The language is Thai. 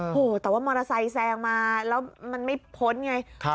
โอ้โหแต่ว่ามอเตอร์ไซค์แซงมาแล้วมันไม่พ้นไง